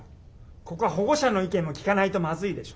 ここは保護者の意見も聞かないとまずいでしょ。